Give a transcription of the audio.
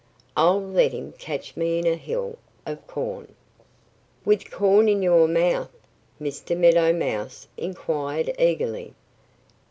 "I'll let him catch me in a hill of corn." "With corn in your mouth?" Mr. Meadow Mouse inquired eagerly.